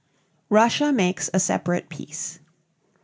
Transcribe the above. RUSSIA MAKES A SEPARATE PEACE.